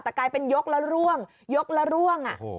แต่กลายเป็นยกแล้วร่วง